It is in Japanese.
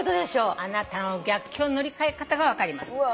「あなたの逆境の乗り越え方が分かります」